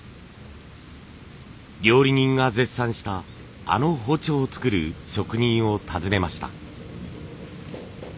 料理人が絶賛したあの包丁を作る職人を訪ねました。